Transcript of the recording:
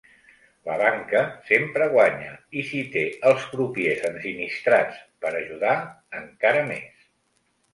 La banca sempre guanya i si té els crupiers ensinistrats per “ajudar” encara més!